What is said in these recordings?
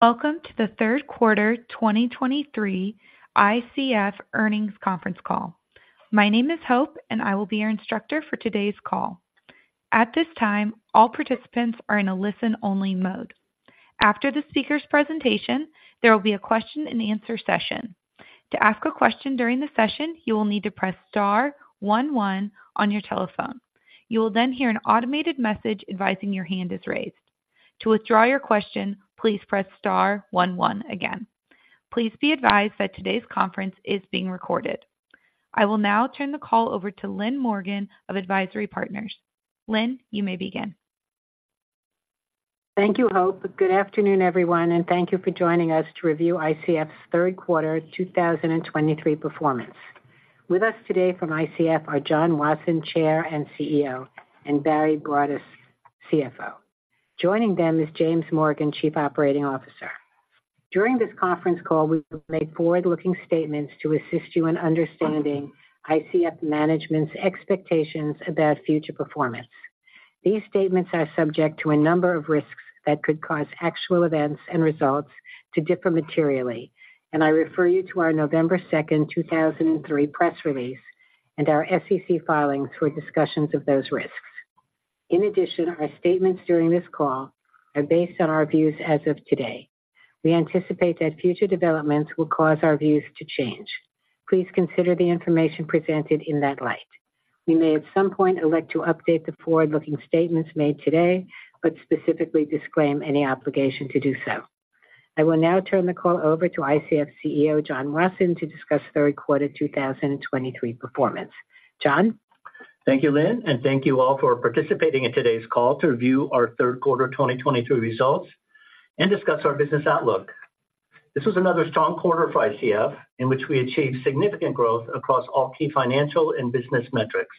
Welcome to the third quarter 2023 ICF Earnings Conference Call. My name is Hope, and I will be your instructor for today's call. At this time, all participants are in a listen-only mode. After the speaker's presentation, there will be a question and answer session. To ask a question during the session, you will need to press star one one on your telephone. You will then hear an automated message advising your hand is raised. To withdraw your question, please press star one one again. Please be advised that today's conference is being recorded. I will now turn the call over to Lynn Morgen of AdvisIRy Partners. Lynn, you may begin. Thank you, Hope. Good afternoon, everyone, and thank you for joining us to review ICF's third quarter 2023 performance. With us today from ICF are John Wasson, Chair and CEO, and Barry Broadus, CFO. Joining them is James Morgan, Chief Operating Officer. During this conference call, we will make forward-looking statements to assist you in understanding ICF management's expectations about future performance. These statements are subject to a number of risks that could cause actual events and results to differ materially, and I refer you to our November 2, 2023, press release and our SEC filings for discussions of those risks. In addition, our statements during this call are based on our views as of today. We anticipate that future developments will cause our views to change. Please consider the information presented in that light. We may, at some point, elect to update the forward-looking statements made today, but specifically disclaim any obligation to do so. I will now turn the call over to ICF CEO, John Wasson, to discuss the recorded 2023 performance. John? Thank you, Lynn, and thank you all for participating in today's call to review our third quarter 2023 results and discuss our business outlook. This was another strong quarter for ICF, in which we achieved significant growth across all key financial and business metrics.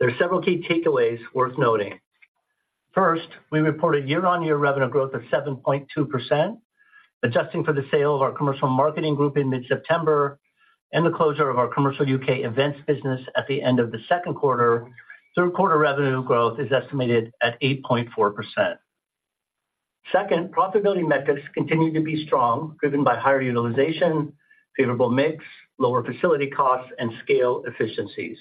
There are several key takeaways worth noting. First, we reported year-on-year revenue growth of 7.2%, adjusting for the sale of our Commercial Marketing Group in mid-September and the closure of our commercial U.K. events business at the end of the second quarter. Third quarter revenue growth is estimated at 8.4%. Second, profitability metrics continued to be strong, driven by higher utilization, favorable mix, lower facility costs, and scale efficiencies.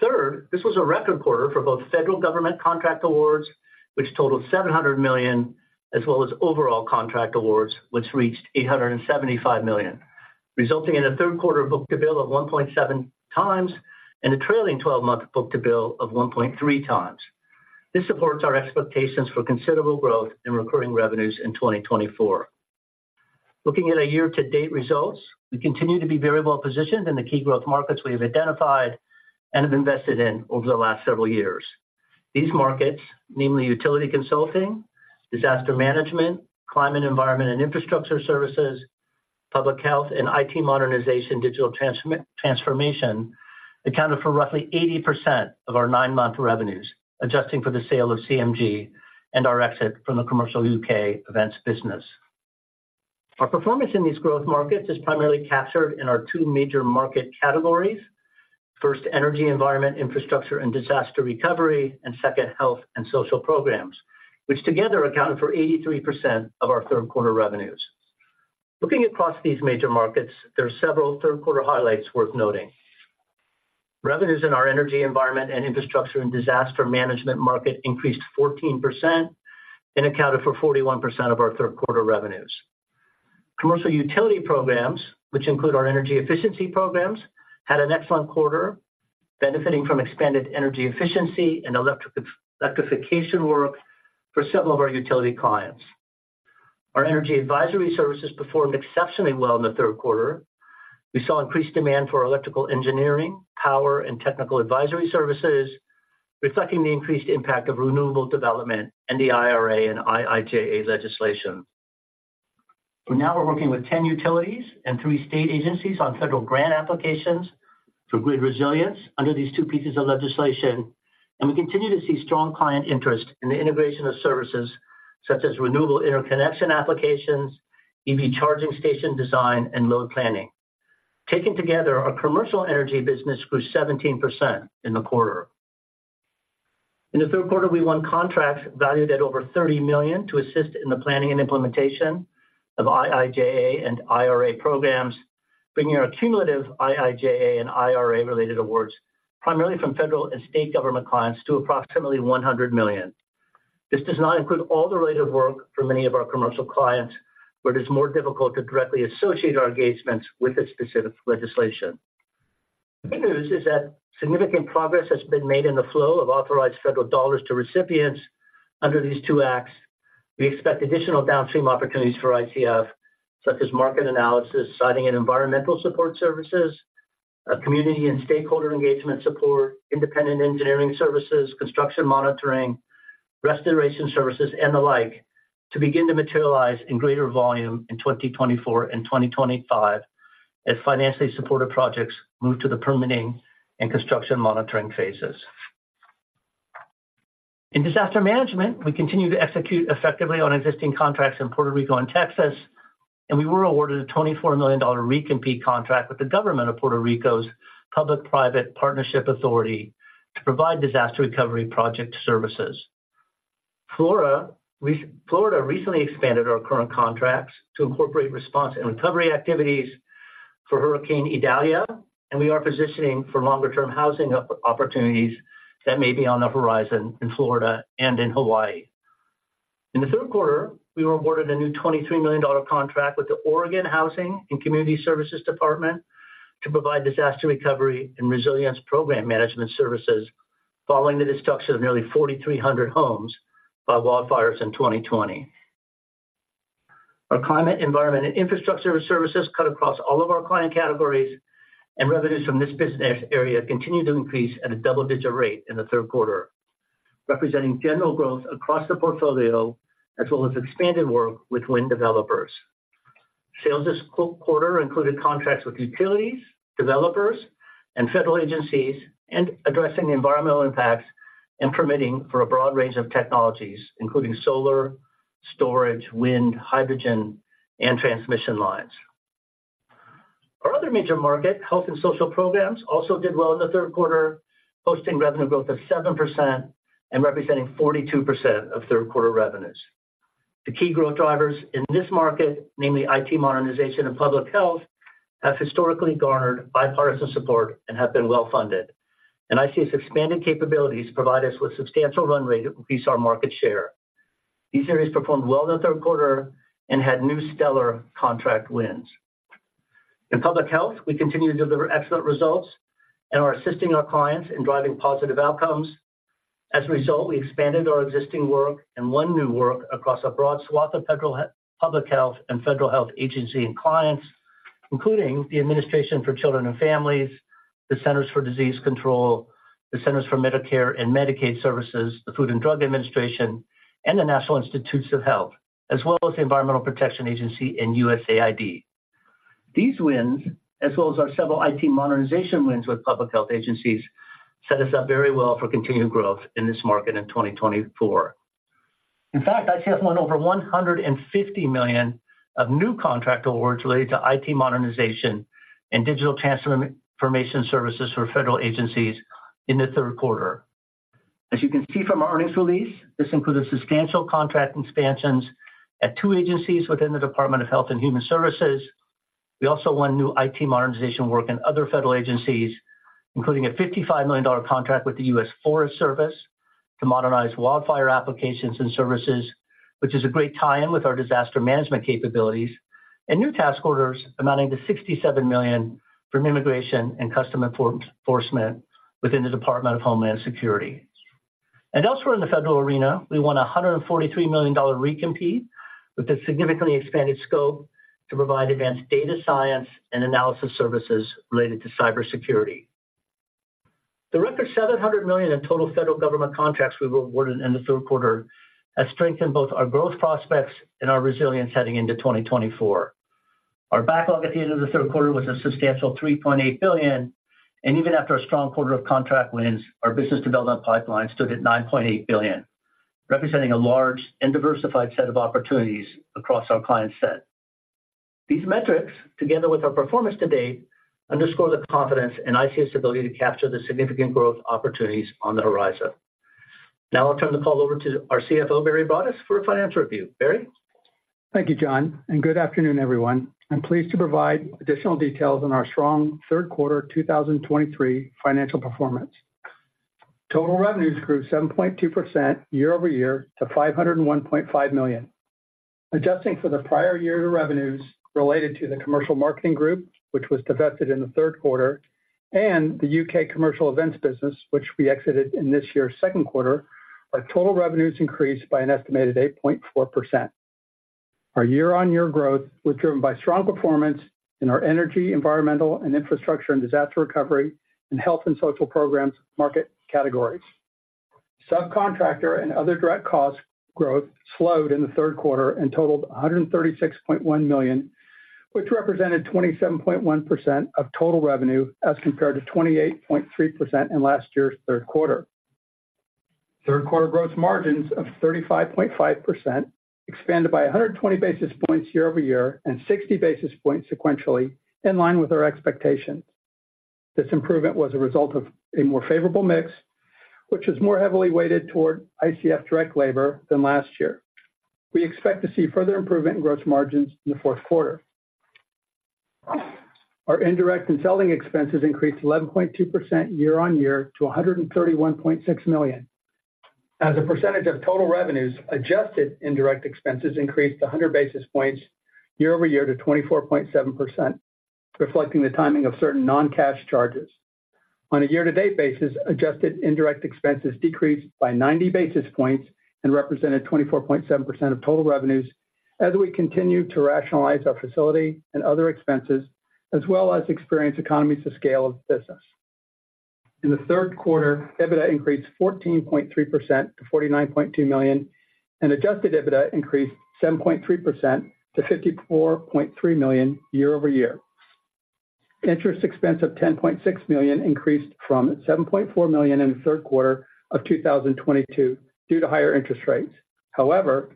Third, this was a record quarter for both federal government contract awards, which totaled $700 million, as well as overall contract awards, which reached $875 million, resulting in a third quarter book-to-bill of 1.7x and a trailing twelve-month book-to-bill of 1.3x. This supports our expectations for considerable growth in recurring revenues in 2024. Looking at our year-to-date results, we continue to be very well positioned in the key growth markets we have identified and have invested in over the last several years. These markets, namely utility consulting, disaster management, climate, environment, and infrastructure services, public health, and IT modernization, digital transformation, accounted for roughly 80% of our nine-month revenues, adjusting for the sale of CMG and our exit from the commercial U.K. events business. Our performance in these growth markets is primarily captured in our two major market categories. First, energy environment, infrastructure, and disaster recovery, and second, health and social programs, which together accounted for 83% of our third quarter revenues. Looking across these major markets, there are several third quarter highlights worth noting. Revenues in our energy environment and infrastructure and disaster management market increased 14% and accounted for 41% of our third quarter revenues. Commercial utility programs, which include our energy efficiency programs, had an excellent quarter, benefiting from expanded energy efficiency and electrification work for several of our utility clients. Our energy advisory services performed exceptionally well in the third quarter. We saw increased demand for electrical engineering, power, and technical advisory services, reflecting the increased impact of renewable development and the IRA and IIJA legislation. We're now working with 10 utilities and three state agencies on federal grant applications for grid resilience under these two pieces of legislation, and we continue to see strong client interest in the integration of services such as renewable interconnection applications, EV charging station design, and load planning. Taken together, our commercial energy business grew 17% in the quarter. In the third quarter, we won contracts valued at over $30 million to assist in the planning and implementation of IIJA and IRA programs, bringing our cumulative IIJA and IRA-related awards, primarily from federal and state government clients, to approximately $100 million. This does not include all the related work for many of our commercial clients, but it's more difficult to directly associate our engagements with the specific legislation. The good news is that significant progress has been made in the flow of authorized federal dollars to recipients under these two acts. We expect additional downstream opportunities for ICF, such as market analysis, siting and environmental support services, community and stakeholder engagement support, independent engineering services, construction monitoring, restoration services, and the like, to begin to materialize in greater volume in 2024 and 2025 as financially supported projects move to the permitting and construction monitoring phases. In disaster management, we continue to execute effectively on existing contracts in Puerto Rico and Texas, and we were awarded a $24 million re-compete contract with the government of Puerto Rico's Public-Private Partnership Authority to provide disaster recovery project services. Florida recently expanded our current contracts to incorporate response and recovery activities for Hurricane Idalia, and we are positioning for longer-term housing opportunities that may be on the horizon in Florida and in Hawaii. In the third quarter, we were awarded a new $23 million contract with the Oregon Housing and Community Services Department to provide disaster recovery and resilience program management services, following the destruction of nearly 4,300 homes by wildfires in 2020. Our climate, environment, and infrastructure services cut across all of our client categories, and revenues from this business area continued to increase at a double-digit rate in the third quarter, representing general growth across the portfolio, as well as expanded work with wind developers. Sales this quarter included contracts with utilities, developers, and federal agencies, and addressing the environmental impacts and permitting for a broad range of technologies, including solar, storage, wind, hydrogen, and transmission lines. Our other major market, health and social programs, also did well in the third quarter, posting revenue growth of 7% and representing 42% of third quarter revenues. The key growth drivers in this market, namely IT modernization and public health, have historically garnered bipartisan support and have been well-funded. ICF's expanded capabilities provide us with substantial run rate increase our market share. These areas performed well in the third quarter and had new stellar contract wins. In public health, we continue to deliver excellent results and are assisting our clients in driving positive outcomes. As a result, we expanded our existing work and won new work across a broad swath of federal public health and federal health agency and clients, including the Administration for Children and Families, the Centers for Disease Control, the Centers for Medicare and Medicaid Services, the Food and Drug Administration, and the National Institutes of Health, as well as the Environmental Protection Agency and USAID. These wins, as well as our several IT modernization wins with public health agencies, set us up very well for continued growth in this market in 2024. In fact, ICF won over $150 million of new contract awards related to IT modernization and digital transformation services for federal agencies in the third quarter. As you can see from our earnings release, this includes substantial contract expansions at two agencies within the Department of Health and Human Services. We also won new IT modernization work in other federal agencies, including a $55 million contract with the U.S. Forest Service to modernize wildfire applications and services, which is a great tie-in with our disaster management capabilities, and new task orders amounting to $67 million from Immigration and Customs Enforcement within the Department of Homeland Security. Elsewhere in the federal arena, we won a $143 million re-compete, with a significantly expanded scope, to provide advanced data science and analysis services related to cybersecurity. The record $700 million in total federal government contracts we were awarded in the third quarter has strengthened both our growth prospects and our resilience heading into 2024. Our backlog at the end of the third quarter was a substantial $3.8 billion, and even after a strong quarter of contract wins, our business development pipeline stood at $9.8 billion, representing a large and diversified set of opportunities across our client set. These metrics, together with our performance to date, underscore the confidence in ICF's ability to capture the significant growth opportunities on the horizon. Now I'll turn the call over to our CFO, Barry Broadus, for a financial review. Barry? Thank you, John, and good afternoon, everyone. I'm pleased to provide additional details on our strong third quarter 2023 financial performance. Total revenues grew 7.2% year-over-year to $501.5 million. Adjusting for the prior year revenues related to the Commercial Marketing Group, which was divested in the third quarter, and the U.K. commercial events business, which we exited in this year's second quarter, our total revenues increased by an estimated 8.4%. Our year-over-year growth was driven by strong performance in our energy, environmental, and infrastructure and disaster recovery, and health and social programs market categories. Subcontractor and other direct cost growth slowed in the third quarter and totaled $136.1 million, which represented 27.1% of total revenue, as compared to 28.3% in last year's third quarter. Third quarter gross margins of 35.5% expanded by 120 basis points year-over-year, and 60 basis points sequentially, in line with our expectations. This improvement was a result of a more favorable mix, which is more heavily weighted toward ICF direct labor than last year. We expect to see further improvement in gross margins in the fourth quarter. Our indirect and selling expenses increased 11.2% year-over-year to $131.6 million. As a percentage of total revenues, adjusted indirect expenses increased 100 basis points year-over-year to 24.7%, reflecting the timing of certain non-cash charges. On a year-to-date basis, adjusted indirect expenses decreased by 90 basis points and represented 24.7% of total revenues as we continue to rationalize our facility and other expenses, as well as experience economies of scale of business. In the third quarter, EBITDA increased 14.3% to $49.2 million, and adjusted EBITDA increased 7.3% to $54.3 million year-over-year. Interest expense of $10.6 million increased from $7.4 million in the third quarter of 2022 due to higher interest rates. However,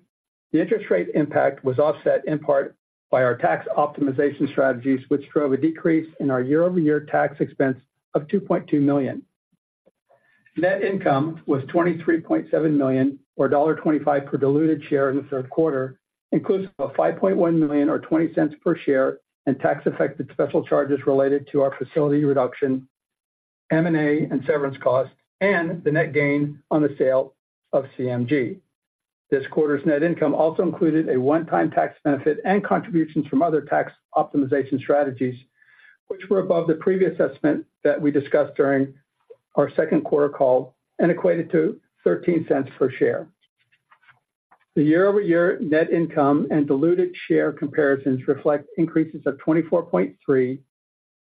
the interest rate impact was offset in part by our tax optimization strategies, which drove a decrease in our year-over-year tax expense of $2.2 million. Net income was $23.7 million, or $1.25 per diluted share in the third quarter, inclusive of $5.1 million or $0.20 per share and tax-affected special charges related to our facility reduction, M&A, and severance costs, and the net gain on the sale of CMG. This quarter's net income also included a one-time tax benefit and contributions from other tax optimization strategies, which were above the previous assessment that we discussed during our second quarter call and equated to $0.13 per share. The year-over-year net income and diluted share comparisons reflect increases of 24.3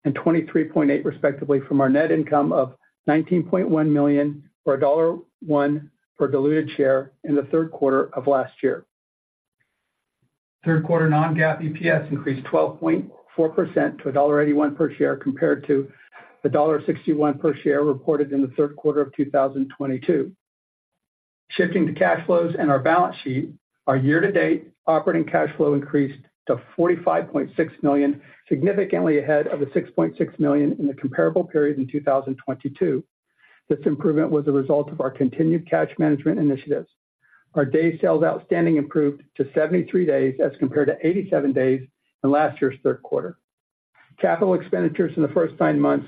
and 23.8, respectively, from our net income of $19.1 million, or $1.01 per diluted share in the third quarter of last year. Third quarter non-GAAP EPS increased 12.4% to $1.81 per share, compared to $1.61 per share reported in the third quarter of 2022. Shifting to cash flows and our balance sheet, our year-to-date operating cash flow increased to $45.6 million, significantly ahead of the $6.6 million in the comparable period in 2022. This improvement was a result of our continued cash management initiatives. Our day sales outstanding improved to 73 days, as compared to 87 days in last year's third quarter. Capital expenditures in the first nine months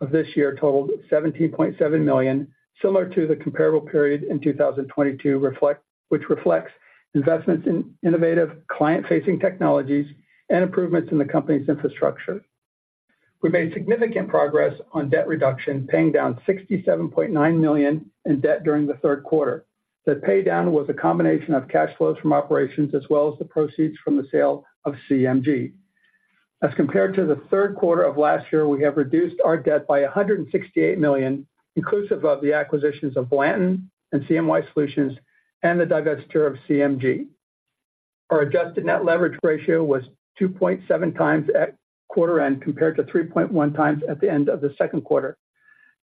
of this year totaled $17.7 million, similar to the comparable period in 2022, which reflects investments in innovative client-facing technologies and improvements in the company's infrastructure. We made significant progress on debt reduction, paying down $67.9 million in debt during the third quarter. The pay down was a combination of cash flows from operations, as well as the proceeds from the sale of CMG. As compared to the third quarter of last year, we have reduced our debt by $168 million, inclusive of the acquisitions of Blanton and CMY Solutions and the divestiture of CMG. Our adjusted net leverage ratio was 2.7x at quarter end, compared to 3.1x at the end of the second quarter.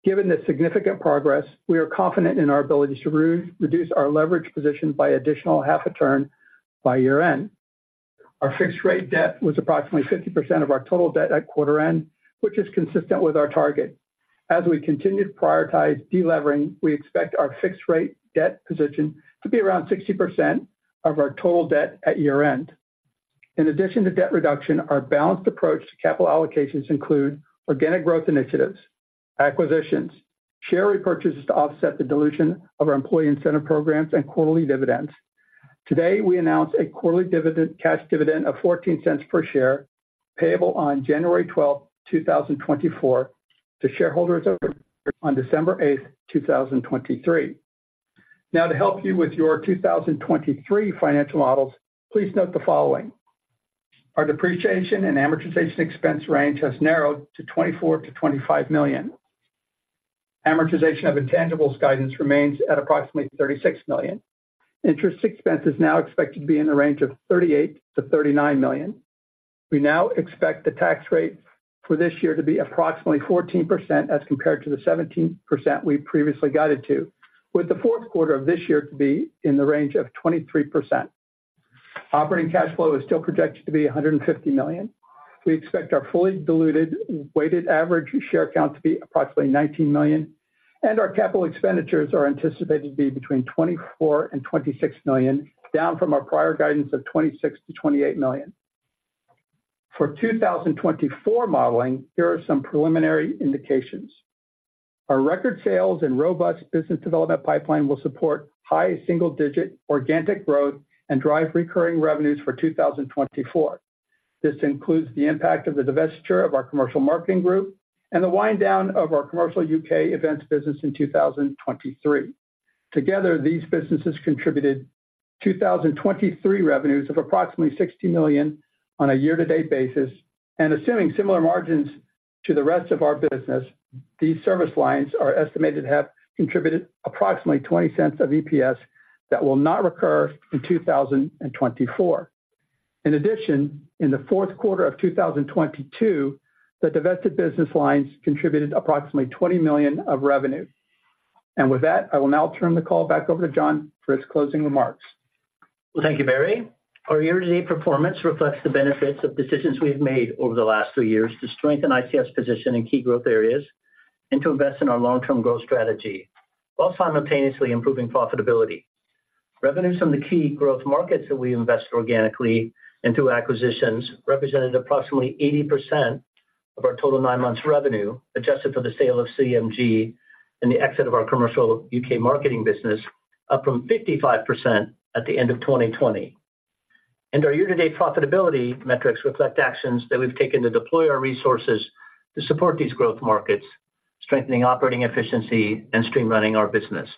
Given this significant progress, we are confident in our ability to reduce our leverage position by an additional 0.5x by year-end. Our fixed rate debt was approximately 50% of our total debt at quarter end, which is consistent with our target. As we continue to prioritize delevering, we expect our fixed rate debt position to be around 60% of our total debt at year-end. In addition to debt reduction, our balanced approach to capital allocations include organic growth initiatives, acquisitions, share repurchases to offset the dilution of our employee incentive programs and quarterly dividends. Today, we announced a quarterly cash dividend of $0.14 per share, payable on January 12, 2024, to shareholders of record on December 8, 2023. Now, to help you with your 2023 financial models, please note the following: Our depreciation and amortization expense range has narrowed to $24 million-$25 million. Amortization of intangibles guidance remains at approximately $36 million. Interest expense is now expected to be in the range of $38 million-$39 million. We now expect the tax rate for this year to be approximately 14%, as compared to the 17% we previously guided to, with the fourth quarter of this year to be in the range of 23%. Operating cash flow is still projected to be $150 million. We expect our fully diluted weighted average share count to be approximately 19 million, and our capital expenditures are anticipated to be between $24 million-$26 million, down from our prior guidance of $26 million-$28 million. For 2024 modeling, here are some preliminary indications. Our record sales and robust business development pipeline will support high single-digit organic growth and drive recurring revenues for 2024. This includes the impact of the divestiture of our commercial marketing group and the wind down of our commercial U.K. events business in 2023. Together, these businesses contributed 2023 revenues of approximately $60 million on a year-to-date basis, and assuming similar margins to the rest of our business, these service lines are estimated to have contributed approximately $0.20 of EPS that will not recur in 2024. In addition, in the fourth quarter of 2022, the divested business lines contributed approximately $20 million of revenue. With that, I will now turn the call back over to John for his closing remarks. Well, thank you, Barry. Our year-to-date performance reflects the benefits of decisions we've made over the last two years to strengthen ICF's position in key growth areas and to invest in our long-term growth strategy, while simultaneously improving profitability. Revenues from the key growth markets that we invest organically and through acquisitions represented approximately 80% of our total nine months revenue, adjusted for the sale of CMG and the exit of our commercial U.K. marketing business, up from 55% at the end of 2020. Our year-to-date profitability metrics reflect actions that we've taken to deploy our resources to support these growth markets, strengthening operating efficiency and streamlining our business.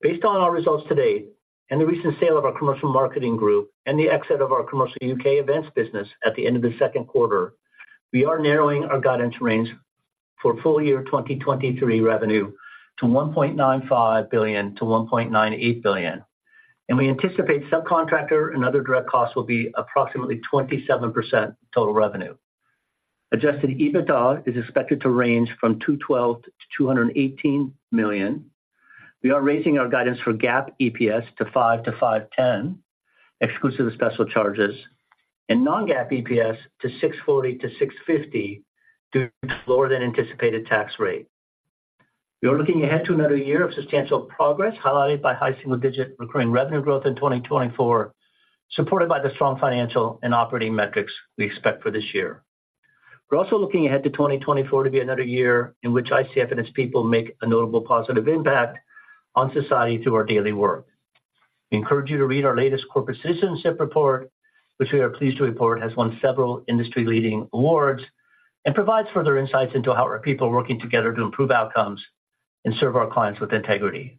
Based on our results to date and the recent sale of our commercial marketing group and the exit of our commercial U.K. events business at the end of the second quarter, we are narrowing our guidance range for full year 2023 revenue to $1.95 billion-$1.98 billion, and we anticipate subcontractor and other direct costs will be approximately 27% total revenue. Adjusted EBITDA is expected to range from $212 million-$218 million. We are raising our guidance for GAAP EPS to $5-$5.10, exclusive of special charges, and non-GAAP EPS to $6.40-$6.50 due to lower than anticipated tax rate. We are looking ahead to another year of substantial progress, highlighted by high single-digit recurring revenue growth in 2024, supported by the strong financial and operating metrics we expect for this year. We're also looking ahead to 2024 to be another year in which ICF and its people make a notable positive impact on society through our daily work. We encourage you to read our latest Corporate Citizenship Report, which we are pleased to report has won several industry-leading awards and provides further insights into how our people are working together to improve outcomes and serve our clients with integrity.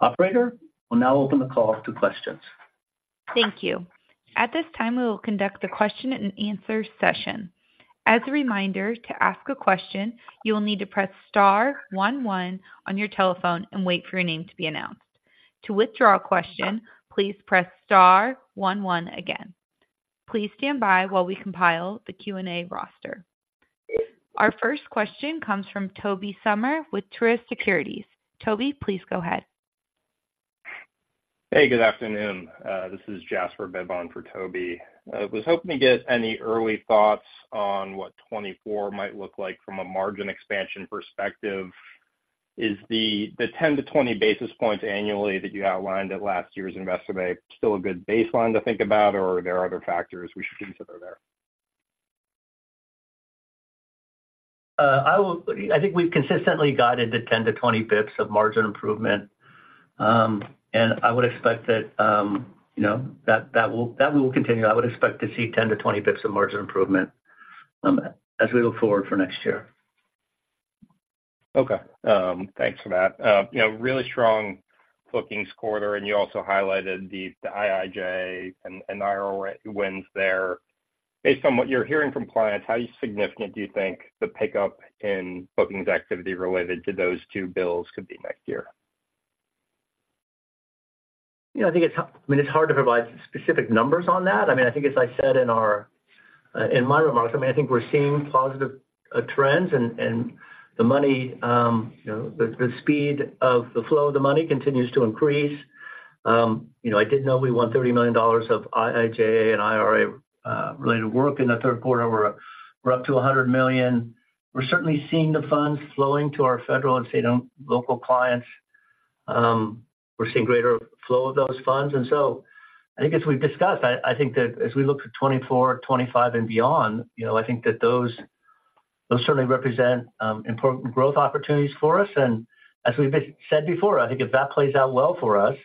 Operator, we'll now open the call to questions. Thank you. At this time, we will conduct a question and answer session. As a reminder, to ask a question, you will need to press star one one on your telephone and wait for your name to be announced. To withdraw a question, please press star one one again. Please stand by while we compile the Q&A roster. Our first question comes from Toby Sommer with Truist Securities. Toby, please go ahead. Hey, good afternoon. This is Jasper Bibb for Toby. I was hoping to get any early thoughts on what 2024 might look like from a margin expansion perspective. Is the 10-20 basis points annually that you outlined at last year's Investor Day still a good baseline to think about, or are there other factors we should consider there? I will, I think we've consistently guided the 10-20 BPS of margin improvement. I would expect that, you know, that, that will, that will continue. I would expect to see 10-20 BPS of margin improvement, as we look forward for next year. Okay. Thanks for that. You know, really strong bookings quarter, and you also highlighted the IIJ and IRA wins there. Based on what you're hearing from clients, how significant do you think the pickup in bookings activity related to those two bills could be next year? Yeah, I think it's, I mean, it's hard to provide specific numbers on that. I mean, I think as I said in our in my remarks, I mean, I think we're seeing positive trends and, and the money, you know, the, the speed of the flow of the money continues to increase. You know, I did know we won $30 million of IIJA and IRA related work in the third quarter. We're, we're up to $100 million. We're certainly seeing the funds flowing to our federal and state and local clients. We're seeing greater flow of those funds. And so I think as we've discussed, I, I think that as we look to 2024, 2025, and beyond, you know, I think that those, those certainly represent important growth opportunities for us. As we've said before, I think if that plays out well for us,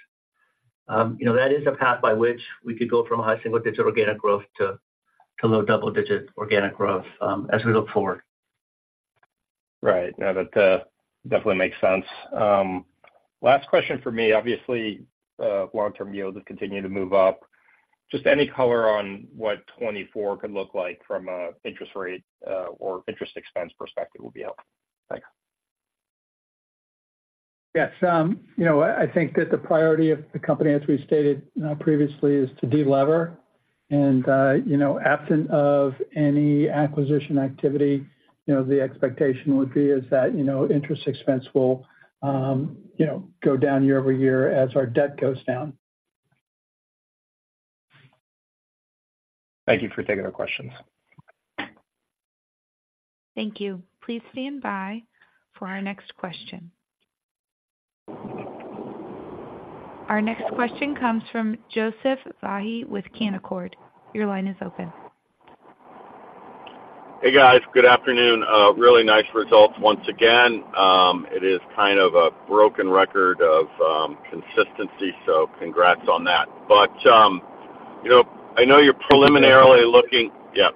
you know, that is a path by which we could go from a high single-digit organic growth to, to low double-digit organic growth, as we look forward. Right. Now, that definitely makes sense. Last question for me. Obviously, long-term yields have continued to move up. Just any color on what 2024 could look like from a interest rate or interest expense perspective would be helpful. Thanks. Yes, you know, I, I think that the priority of the company, as we stated, previously, is to delever, and, you know, absent of any acquisition activity, you know, the expectation would be is that, you know, interest expense will, you know, go down year-over-year as our debt goes down. Thank you for taking the questions. Thank you. Please stand by for our next question. Our next question comes from Joseph Vafi with Canaccord. Your line is open. Hey, guys. Good afternoon. Really nice results once again. It is kind of a broken record of consistency, so congrats on that. But you know, I know you're preliminarily looking—yeah.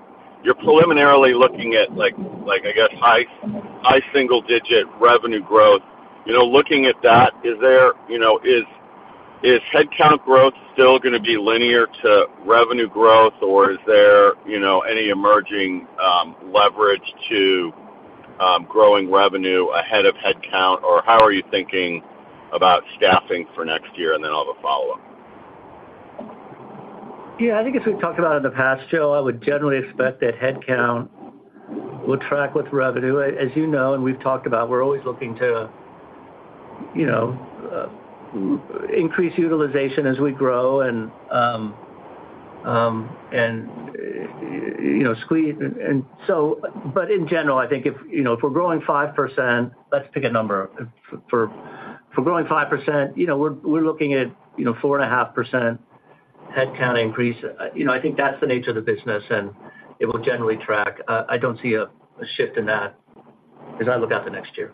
You're preliminarily looking at like, I guess, high single digit revenue growth. You know, looking at that, is there, you know, is headcount growth still gonna be linear to revenue growth, or is there, you know, any emerging leverage to growing revenue ahead of headcount? Or how are you thinking about staffing for next year? And then I'll have a follow-up. Yeah, I think as we've talked about in the past, Joe, I would generally expect that headcount will track with revenue. As you know, and we've talked about, we're always looking to, you know, increase utilization as we grow and you know, squeeze. And so... But in general, I think if, you know, if we're growing 5%, let's pick a number. If we're growing 5%, you know, we're looking at, you know, 4.5% headcount increase. You know, I think that's the nature of the business, and it will generally track. I don't see a shift in that as I look out the next year.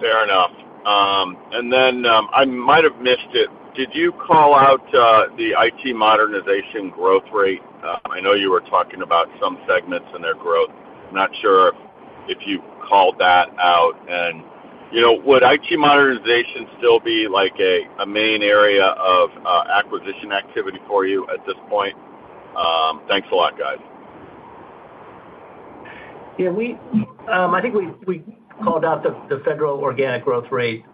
Fair enough. And then, I might have missed it: Did you call out the IT modernization growth rate? I know you were talking about some segments and their growth. Not sure if you called that out. And, you know, would IT modernization still be like a main area of acquisition activity for you at this point? Thanks a lot, guys.... Yeah, we, I think we called out the federal organic growth rate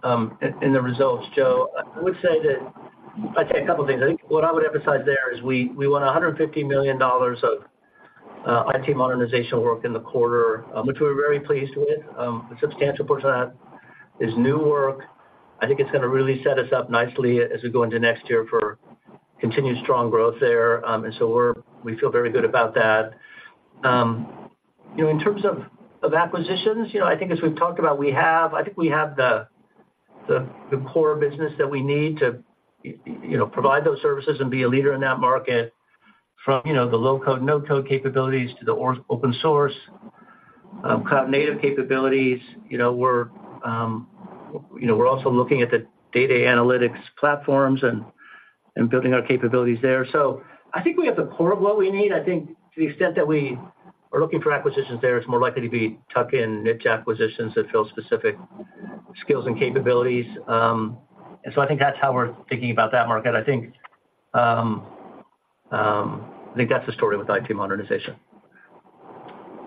in the results, Joe. I would say that, I'd say a couple of things. I think what I would emphasize there is we won $150 million of IT modernization work in the quarter, which we're very pleased with. A substantial percent is new work. I think it's gonna really set us up nicely as we go into next year for continued strong growth there. And so we feel very good about that. You know, in terms of acquisitions, you know, I think as we've talked about, we have, I think we have the core business that we need to, you know, provide those services and be a leader in that market from, you know, the low code, no code capabilities to the open source, cloud native capabilities. You know, we're, you know, we're also looking at the data analytics platforms and building our capabilities there. So I think we have the core of what we need. I think to the extent that we are looking for acquisitions there, it's more likely to be tuck-in, niche acquisitions that fill specific skills and capabilities. And so I think that's how we're thinking about that market. I think that's the story with IT modernization.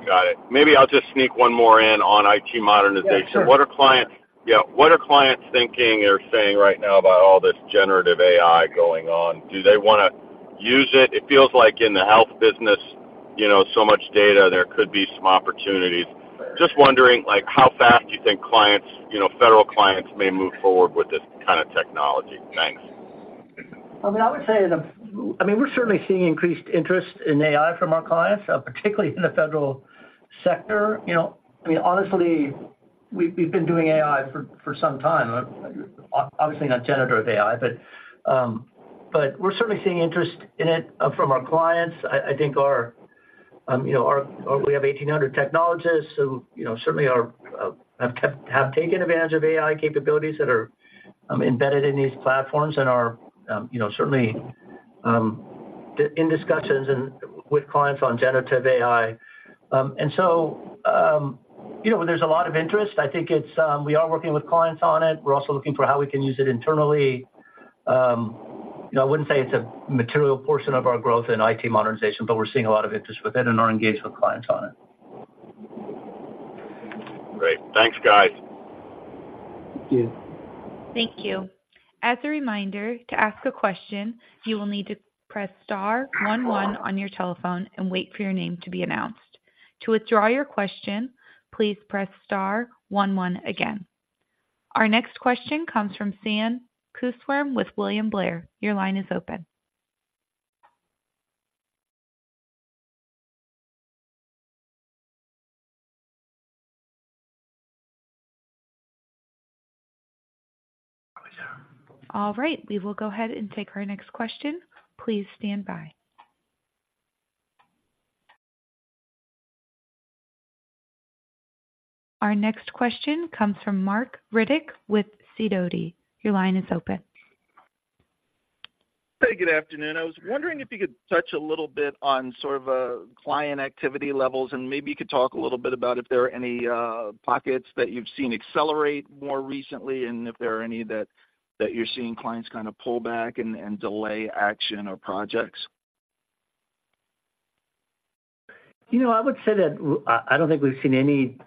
Got it. Maybe I'll just sneak one more in on IT modernization. Yeah, sure. What are clients thinking or saying right now about all this generative AI going on? Do they wanna use it? It feels like in the health business, you know, so much data, there could be some opportunities. Just wondering, like, how fast do you think clients, you know, federal clients may move forward with this kind of technology? Thanks. I mean, I would say, I mean, we're certainly seeing increased interest in AI from our clients, particularly in the federal sector. You know, I mean, honestly, we've been doing AI for some time. Obviously not generative AI, but we're certainly seeing interest in it from our clients. I think our you know we have 1,800 technologists who you know certainly have taken advantage of AI capabilities that are embedded in these platforms and are you know certainly in discussions with clients on generative AI. And so you know, there's a lot of interest. I think it's we are working with clients on it. We're also looking for how we can use it internally. You know, I wouldn't say it's a material portion of our growth in IT modernization, but we're seeing a lot of interest with it and are engaged with clients on it. Great. Thanks, guys. Thank you. Thank you. As a reminder, to ask a question, you will need to press star one one on your telephone and wait for your name to be announced. To withdraw your question, please press star one one again. Our next question comes from Sam Kusswurm with William Blair. Your line is open. All right, we will go ahead and take our next question. Please stand by. Our next question comes from Marc Riddick with Sidoti. Your line is open. Hey, good afternoon. I was wondering if you could touch a little bit on sort of client activity levels, and maybe you could talk a little bit about if there are any pockets that you've seen accelerate more recently, and if there are any that you're seeing clients kind of pull back and delay action or projects. You know, I would say that I don't think we've seen any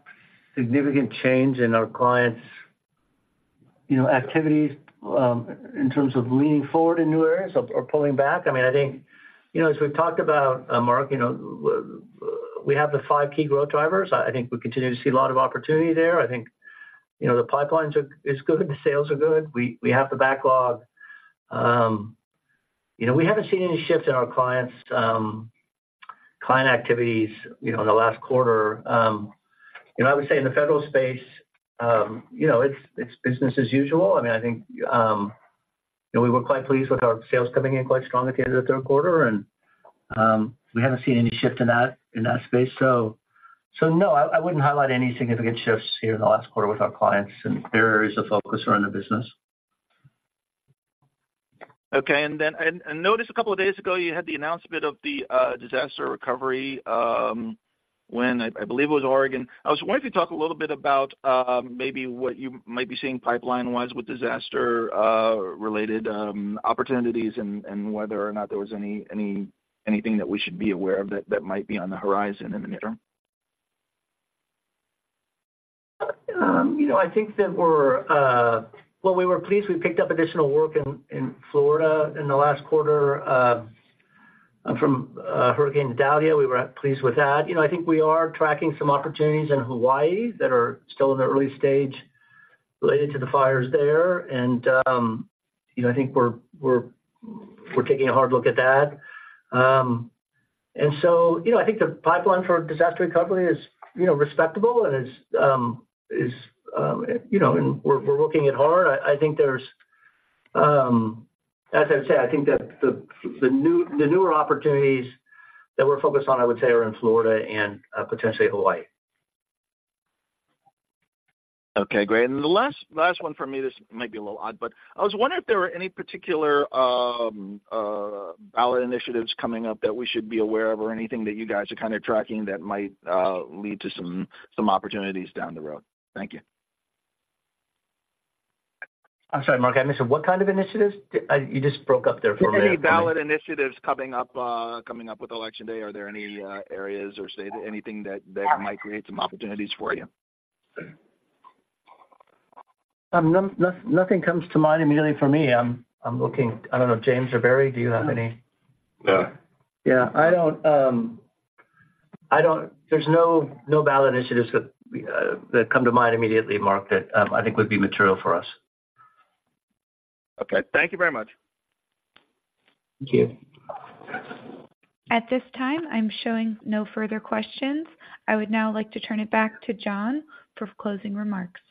significant change in our clients', you know, activities in terms of leaning forward in new areas or pulling back. I mean, I think, you know, as we've talked about, Marc, you know, we have the five key growth drivers. I think we continue to see a lot of opportunity there. I think, you know, the pipelines are good, the sales are good. We have the backlog. You know, we haven't seen any shift in our clients' client activities, you know, in the last quarter. You know, I would say in the federal space, you know, it's business as usual. I mean, I think, you know, we were quite pleased with our sales coming in quite strong at the end of the third quarter, and, we haven't seen any shift in that, in that space. So, so no, I, I wouldn't highlight any significant shifts here in the last quarter with our clients and their areas of focus around the business. Okay. And then noticed a couple of days ago, you had the announcement of the disaster recovery, when I believe it was Oregon. I was wondering if you could talk a little bit about maybe what you might be seeing pipeline-wise with disaster related opportunities and whether or not there was any anything that we should be aware of that might be on the horizon in the near term? You know, I think that we're. Well, we were pleased we picked up additional work in Florida in the last quarter, from Hurricane Idalia. We were pleased with that. You know, I think we are tracking some opportunities in Hawaii that are still in the early stage related to the fires there, and, you know, I think we're taking a hard look at that. And so, you know, I think the pipeline for disaster recovery is, you know, respectable and it's, you know, and we're working it hard. I think there's, as I'd say, I think that the newer opportunities that we're focused on, I would say, are in Florida and potentially Hawaii. Okay, great. And the last one for me, this might be a little odd, but I was wondering if there were any particular ballot initiatives coming up that we should be aware of or anything that you guys are kind of tracking that might lead to some opportunities down the road. Thank you. I'm sorry, Marc, I missed it. What kind of initiatives? You just broke up there for a minute. Any ballot initiatives coming up, coming up with election day? Are there any, areas or state, anything that, that might create some opportunities for you? Nothing comes to mind immediately for me. I'm looking... I don't know, James or Barry, do you have any? No. Yeah, I don't. There's no ballot initiatives that come to mind immediately, Marc, that I think would be material for us. Okay. Thank you very much. Thank you. At this time, I'm showing no further questions. I would now like to turn it back to John for closing remarks.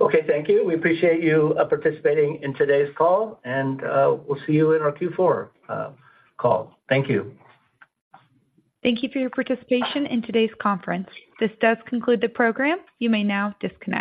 Okay, thank you. We appreciate you participating in today's call, and we'll see you in our Q4 call. Thank you. Thank you for your participation in today's conference. This does conclude the program. You may now disconnect.